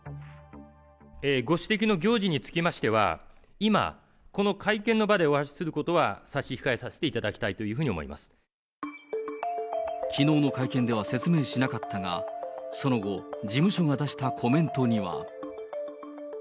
ご指摘の行事につきましては、今、この会見の場でお話しすることは差し控えさせていただきたいといきのうの会見では説明しなかったが、その後、事務所が出したコメントには。